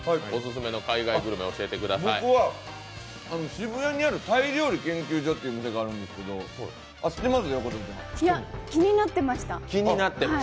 僕は渋谷にあるタイ料理研究所って店があるんですけど知ってます？